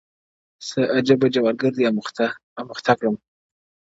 • څه عجيبه جوارگر دي اموخته کړم،